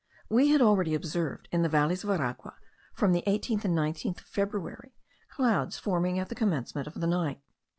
We had already observed, in the valleys of Aragua from the 18th and 19th of February, clouds forming at the commencement of the night.